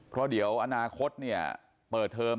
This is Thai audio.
เพราะเดี๋ยวอนาคตเปิดเทอม